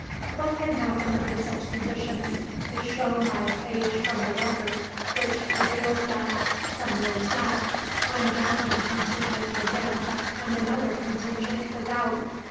What can happen under such conditions is shown by a page from the record which reveals that, some years back, one gambling contingent was in and another contingent was out.